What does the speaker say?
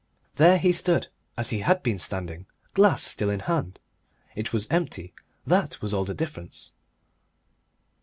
There he stood as he had been standing, glass still in hand. It was empty, that was all the difference.